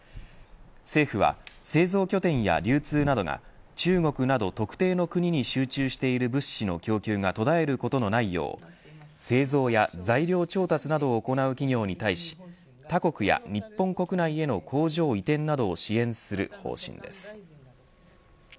政府は製造拠点や流通などが中国など特定の国に集中している物資の供給が途絶えることのないよう製造や材料調達などを行う企業に対し他国や日本国内への工場移転などを支援する方針です。